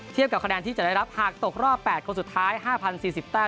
กับคะแนนที่จะได้รับหากตกรอบ๘คนสุดท้าย๕๐๔๐แต้ม